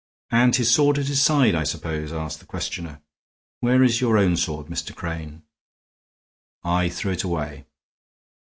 "And his sword at his side, I suppose," added the questioner. "Where is your own sword, Mr. Crane?" "I threw it away."